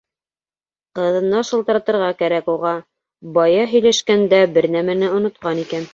Ҡыҙына шылтыратырға кәрәк уға, бая һөйләшкәндә бер нәмәне онотҡан икән.